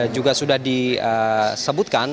juga sudah disebutkan